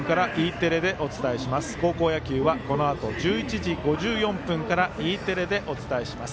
このあと１１時５４分からＥテレでお伝えします。